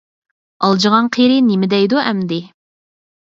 ئالجىغان قېرى نېمە دەيدۇ ئەمدى؟!